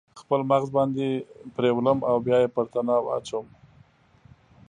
خپل مغز باندې پریولم او بیا یې پر تناو اچوم